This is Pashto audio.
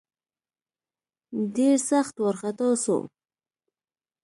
ډېر سخت وارخطا سو.